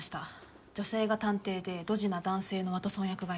女性が探偵でドジな男性のワトソン役がいる。